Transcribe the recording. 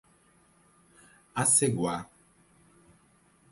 Aceguá